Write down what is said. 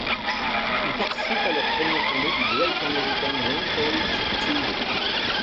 Ils participent à leur première tournée du Great American Rampage Tour.